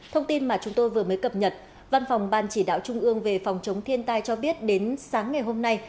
thông tin mà chúng tôi vừa mới cập nhật văn phòng ban chỉ đạo trung ương về phòng chống thiên tai cho biết đến sáng ngày hôm nay